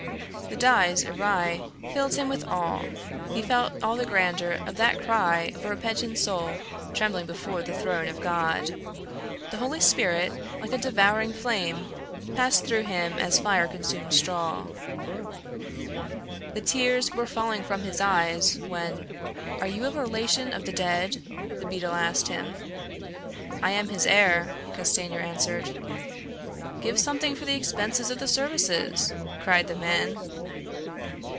The Dies iræ filled him with awe; he felt all the grandeur of that cry of a repentant soul trembling before the Throne of God. The Holy Spirit, like a devouring flame, passed through him as fire consumes straw. The tears were falling from his eyes when "Are you a relation of the dead?" the beadle asked him. "I am his heir," Castanier answered. "Give something for the expenses of the services!" cried the man.